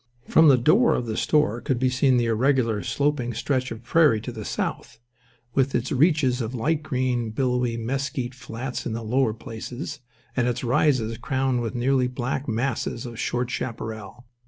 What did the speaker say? From the door of the store could be seen the irregular, sloping stretch of prairie to the south, with its reaches of light green, billowy mesquite flats in the lower places, and its rises crowned with nearly black masses of short chaparral.